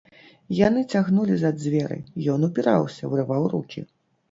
Яны цягнулі за дзверы, ён упіраўся, вырываў рукі.